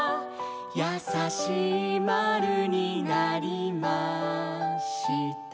「やさしい○になりました」